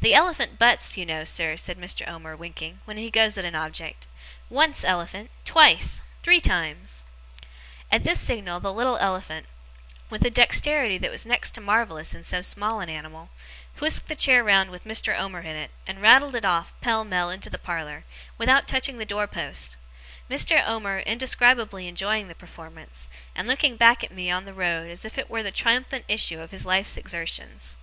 'The elephant butts, you know, sir,' said Mr. Omer, winking, 'when he goes at a object. Once, elephant. Twice. Three times!' At this signal, the little elephant, with a dexterity that was next to marvellous in so small an animal, whisked the chair round with Mr. Omer in it, and rattled it off, pell mell, into the parlour, without touching the door post: Mr. Omer indescribably enjoying the performance, and looking back at me on the road as if it were the triumphant issue of his life's exertions.